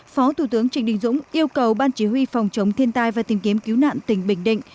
phó thủ tướng trịnh đình dũng yêu cầu ban chỉ huy phòng chống thiên tai và tìm kiếm cứu nạn tỉnh bình định